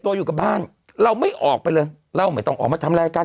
อยู่กับบ้านเราไม่ออกไปเลยเราไม่ต้องออกมาทำรายการ